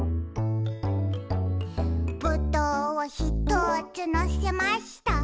「ぶどうをひとつのせました」